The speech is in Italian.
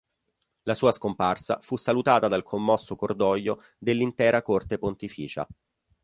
La sua scomparsa fu salutata dal commosso cordoglio dell'intera corte pontificia.